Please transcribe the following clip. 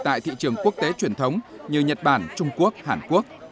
tại thị trường quốc tế truyền thống như nhật bản trung quốc hàn quốc